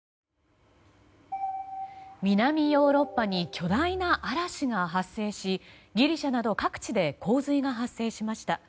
南ヨーロッパに巨大な嵐が発生しギリシャなど各地で洪水が発生しました。